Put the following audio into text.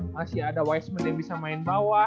masih ada wiseman yang bisa main bawah